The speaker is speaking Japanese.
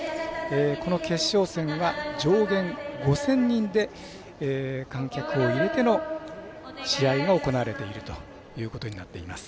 この決勝戦は上限５０００人で観客を入れての試合が行われているということになっています。